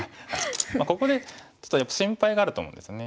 ここでちょっと心配があると思うんですね。